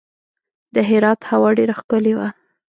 د هرات هوا ډیره ښکلې وه.